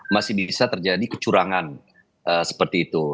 masih bisa terjadi kecurangan seperti itu